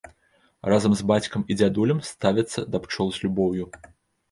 Разам з бацькам і дзядулям ставяцца да пчол з любоўю.